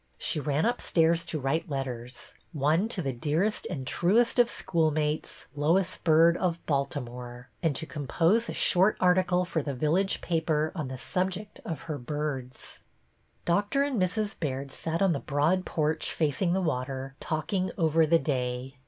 She ran upstairs to write letters, — one to the dearest and truest of schoolmates, Lois Byrd, of Baltimore, — and to compose a short article for the village paper on the subject of her birds. Doctor and Mrs. Baird sat on the broad porch facing the water, talking over the day.